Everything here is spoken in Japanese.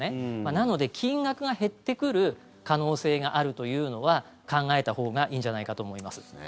なので金額が減ってくる可能性があるというのは考えたほうがいいんじゃないかと思います。